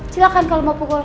silahkan kalo mau pukul